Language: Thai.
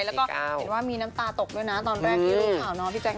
แล้วก็เห็นว่ามีน้ำตาตกด้วยตอนแรกนี้เรายืนข่าวน้อพี่แจ๊คเนอะ